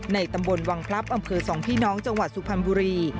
ตำบลวังพลับอำเภอสองพี่น้องจังหวัดสุพรรณบุรี